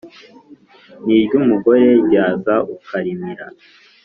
n’iryumugore ryaza ukarimira